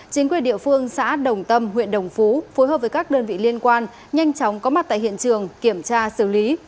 chính quyền địa phương xã đồng tâm huyện đồng phú phối hợp với các đơn vị liên quan nhanh chóng có mặt tại hiện trường kiểm tra xử lý